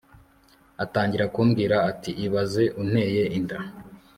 atangira kumbwira ati ibaze unteye inda